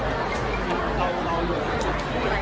การรับความรักมันเป็นอย่างไร